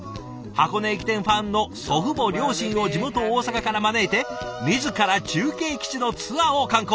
箱根駅伝ファンの祖父母両親を地元大阪から招いて自ら中継基地のツアーを敢行。